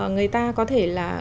người ta có thể là